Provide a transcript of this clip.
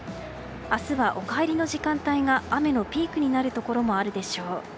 明日はお帰りの時間帯が雨のピークになるところもあるでしょう。